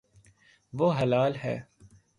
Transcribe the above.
وہ ہلال ہے